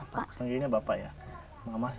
panggilnya bapak ya